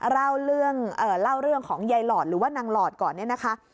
เล่าเรื่องของใยหลอดหรือว่านางหลอดก่อนเนี่ยนะคะ